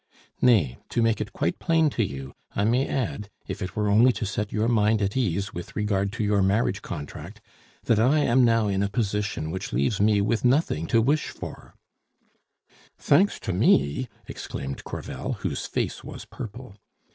Nay, to make it quite plain to you, I may add, if it were only to set your mind at ease with regard to your marriage contract, that I am now in a position which leaves me with nothing to wish for " "Thanks to me!" exclaimed Crevel, whose face was purple.